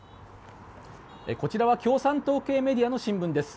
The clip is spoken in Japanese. こちらは共産党系メディアの新聞です。